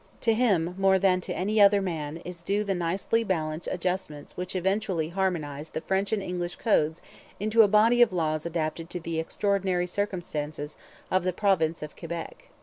To him, more than to any other man, is due the nicely balanced adjustments which eventually harmonized the French and English codes into a body of laws adapted to the extraordinary circumstances of the province of Quebec.